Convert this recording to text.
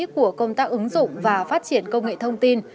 của công tác ứng dụng và phát triển công nghệ thông tin